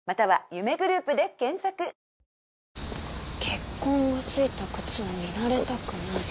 血痕が付いた靴を見られたくない。